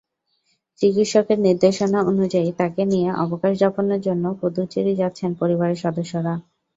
চিকিৎসকের নির্দেশনা অনুযায়ী তাঁকে নিয়ে অবকাশ যাপনের জন্য পদুচেরি যাচ্ছেন পরিবারের সদস্যরা।